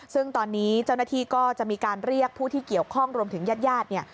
ซึ่งตอนนี้เจ้าหน้าที่ก็จะมีการเรียกผู้ที่เกี่ยวข้องรวมถึงญาติญาติเนี่ย